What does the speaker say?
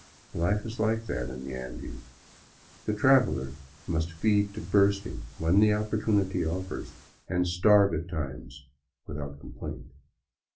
Life is like that in the Andes. The traveler must feed to bursting when the opportunity offers, and starve at times without complaint.